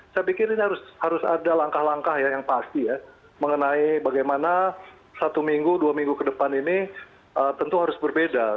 saya pikir ini harus ada langkah langkah yang pasti ya mengenai bagaimana satu minggu dua minggu ke depan ini tentu harus berbeda